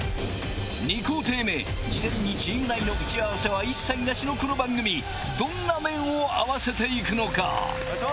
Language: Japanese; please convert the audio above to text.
２工程目事前にチーム内の打ち合わせは一切なしのこの番組どんな麺を合わせていくのか⁉よし！